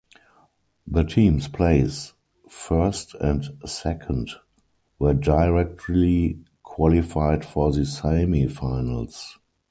The teams place first and second were directly qualified for the semi finals.